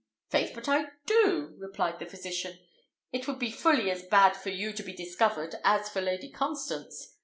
"Faith, but I do!" replied the physician; "it would be fully as bad for you to be discovered as for Lady Constance.